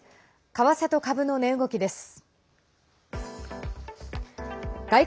為替と株の値動きです。